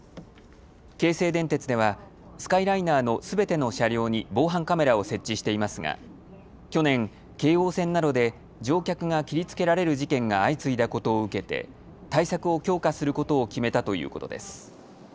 京成電鉄ではスカイライナーのすべての車両に防犯カメラを設置していますが去年、京王線などで乗客が切りつけられる事件が相次いだことを受けて対策を強化することを決めたということです。